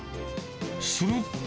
すると。